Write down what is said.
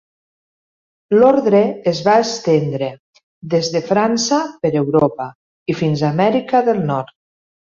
L'Ordre es va estendre des de França per Europa i fins a Amèrica del Nord.